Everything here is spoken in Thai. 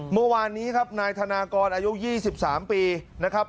เมื่อวานนี้ครับนายธนากรอายุ๒๓ปีนะครับ